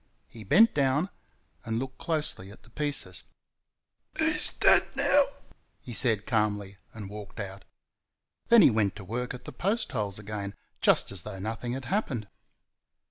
He bent down and looked closely at the pieces. "He's dead now," he said calmly, and walked out. Then he went to work at the post holes again, just as though nothing had happened.